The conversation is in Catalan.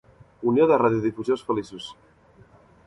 Unió de radiodifusors feliços.